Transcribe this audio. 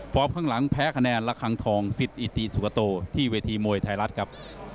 ข้างหลังแพ้คะแนนระคังทองสิทธิอิติสุกโตที่เวทีมวยไทยรัฐครับ